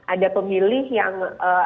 ada pemilih yang